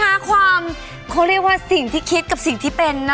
ความเขาเรียกว่าสิ่งที่คิดกับสิ่งที่เป็นนะ